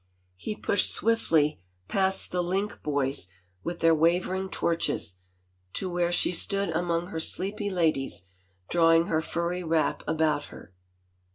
He pushed swiftly past the link boys with their waver ing torches, to where she stood among her sleepy ladies, drawing her furry wrap about her.